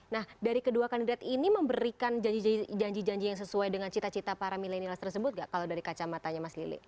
nah dari kedua kandidat ini memberikan janji janji yang sesuai dengan cita cita para milenial tersebut gak kalau dari kacamatanya mas lili